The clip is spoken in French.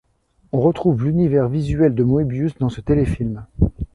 On retrouve l'univers visuel de Moebius dans ce téléfilm.